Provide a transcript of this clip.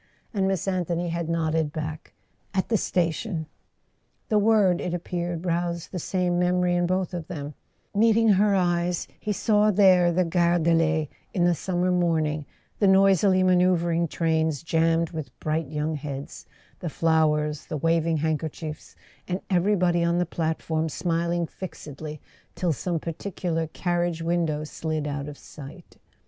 and Miss Anthony had nodded back: "At the station." The word, it appeared, roused the same memory in both of them; meeting her eyes, he saw there the Gare de l'Est in the summer morning, the noisily manoeuvring trains jammed with bright young heads, the flowers, the waving handkerchiefs, and everybody on the plat¬ form smiling fixedly till some particular carriage win¬ dow slid out of sight.